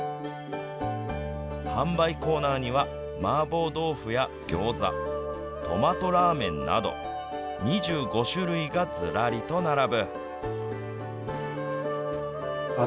販売コーナーには、麻婆豆腐やギョーザ、トマトラーメンなど、２５種類がずらりと並ぶ。